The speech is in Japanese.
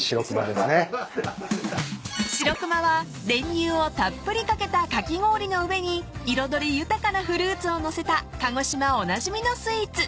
［白熊は練乳をたっぷり掛けたかき氷の上に彩り豊かなフルーツを載せた鹿児島おなじみのスイーツ］